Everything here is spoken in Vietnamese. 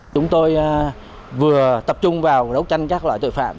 chúng tôi vừa tập trung vào đấu tranh các loại tội phạm